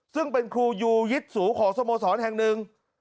ซึ่งเป็นครูยูยิตสูของสโมสรแห่งหนึ่ง